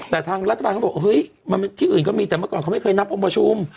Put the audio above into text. แต่ทางรัฐบาลเขาบอกเฮ้ยที่อื่นก็มีแต่เมื่อก่อนเขาไม่เคยนับองค์ประชุม